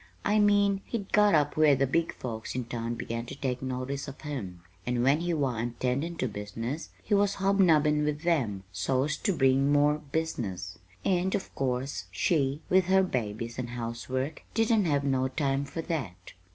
I mean, he'd got up where the big folks in town begun to take notice of him; and when he wa'n't tendin' to business, he was hobnobbin' with them, so's to bring more business. And of course she, with her babies and housework, didn't have no time for that.